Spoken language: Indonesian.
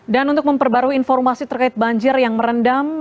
dan untuk memperbarui informasi terkait banjir yang merendam